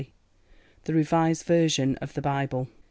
The Revised Version of the Bible.